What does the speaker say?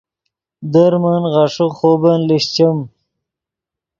در من غیݰے خوبن لیشچیم